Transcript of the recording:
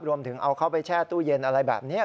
รวมถึงเอาเขาไปแช่ตู้เย็นอะไรแบบนี้